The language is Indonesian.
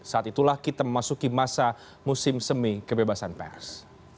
saat itulah kita memasuki masa musim semi kebebasan pers